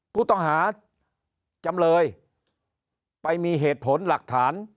ผู้ต้องหาจำเลยไปมีเหตุผลหลักฐาน